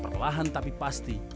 perlahan tapi pasti